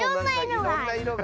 いろんないろがある。